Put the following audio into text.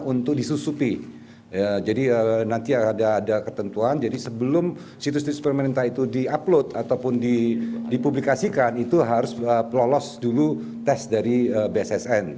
untuk disusupi jadi nanti ada ketentuan jadi sebelum situs situs pemerintah itu di upload ataupun dipublikasikan itu harus lolos dulu tes dari bssn